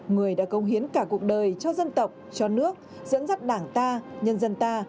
người đã công hiến cả cuộc đời cho dân tộc cho nước dẫn dắt đảng ta nhân dân ta